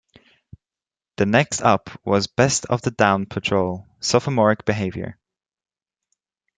The next up was "Best of The Dawn Patrol - Sophomoric Behavior".